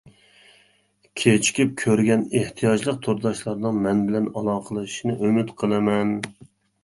كېچىكىپ كۆرگەن ئېھتىياجلىق تورداشلارنىڭ مەن بىلەن ئالاقىلىشىشىنى ئۈمىد قىلىمەن!